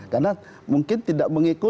karena mungkin tidak tahu